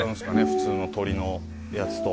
普通の鶏のやつと。